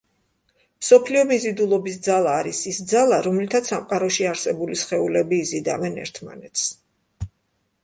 მსოფლიო მიზიდულობის ძალა არის ის ძალა, რომლითაც სამყაროში არსებული სხეულები იზიდავენ ერთმანეთს.